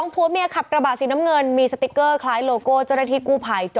ผัวเมียขับกระบะสีน้ำเงินมีสติ๊กเกอร์คล้ายโลโก้เจ้าหน้าที่กู้ภัย